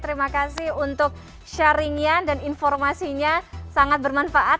terima kasih untuk sharingnya dan informasinya sangat bermanfaat